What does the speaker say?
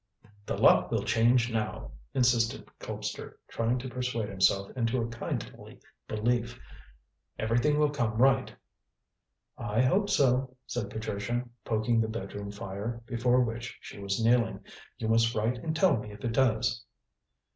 "The luck will change now," insisted Colpster, trying to persuade himself into a kindly belief. "Everything will come right." "I hope so," said Patricia, poking the bedroom fire, before which she was kneeling. "You must write and tell me if it does."